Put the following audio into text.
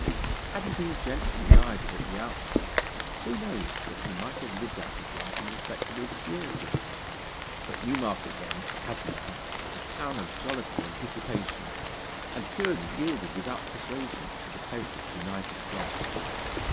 Had he been gently guided at the outset, who knows but he might have lived out his life in respectable obscurity? But Newmarket then, as now, was a town of jollity and dissipation, and Pureney yielded without persuasion to the pleasures denied his cloth.